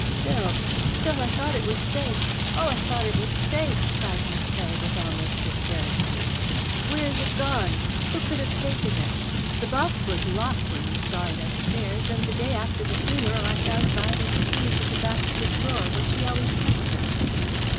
"Phil, Phil, I thought it was safe oh, I thought it was safe!" cried Miss Heredith almost hysterically. "Where is it gone? Who could have taken it? The box was locked when we saw it upstairs, and the day after the funeral I found Violet's keys at the back of the drawer where she always kept them."